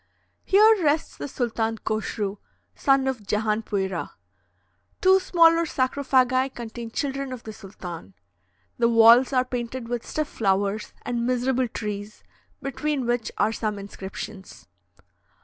Here rests the Sultan Koshru, son of Jehanpuira. Two smaller sarcophagi contain children of the sultan. The walls are painted with stiff flowers and miserable trees, between which are some inscriptions.